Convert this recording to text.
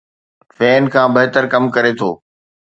فين کان بهتر ڪم ڪري ٿو